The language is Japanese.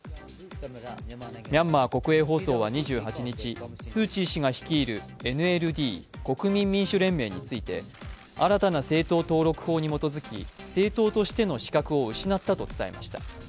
ミャンマー国営放送は２８日、スー・チー氏が率いるＮＬＤ＝国民民主連盟について新たな政党登録法に基づき政党としての資格を失ったと伝えました。